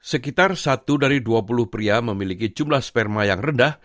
sekitar satu dari dua puluh pria memiliki jumlah sperma yang rendah